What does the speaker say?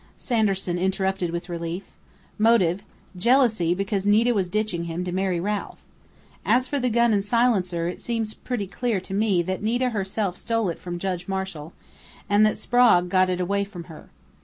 Sanderson interrupted with relief. "Motive: jealousy because Nita was ditching him to marry Ralph.... As for the gun and silencer, it seems pretty clear to me that Nita herself stole it from Judge Marshall, and that Sprague got it away from her.